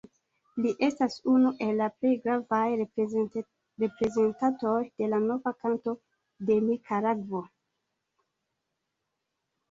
Li estas unu el la plej gravaj reprezentantoj de la "Nova Kanto" de Nikaragvo.